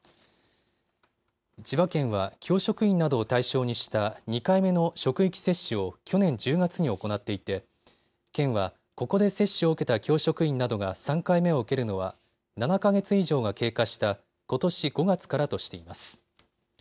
千葉県は教職員などを対象にした２回目の職域接種を去年１０月に行っていて県は、ここで接種を受けた教職員などが３回目を受けるのは７か月以上が経過したことし５月からとしています。